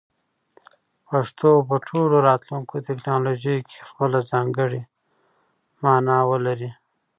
پښتو به په ټولو راتلونکو ټکنالوژیو کې خپله ځانګړې مانا ولري.